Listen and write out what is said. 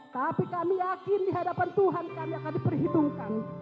tapi kami yakin dihadapan tuhan kami akan diperhitungkan